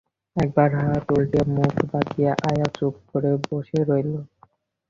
একবার হাত উলটিয়ে মুখ বাঁকিয়ে আয়া চুপ করে বসে রইল।